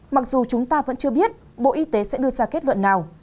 mặc dù chúng ta vẫn chưa biết bộ y tế sẽ đưa ra kết luận nào